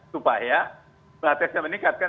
supaya bahasa saya meningkatkan